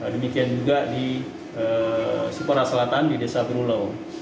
demikian juga di sipora selatan di desa perulau